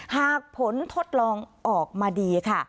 หากผลทดลองออกมาดีค่ะ